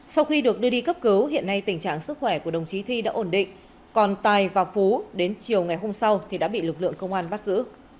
sau khi được đưa đi cấp cứu hiện nay tình trạng sức khỏe của đồng chí thi đã ổn định còn tài và phú đến chiều ngày hôm sau thì đã bị lực lượng công an bắt giữ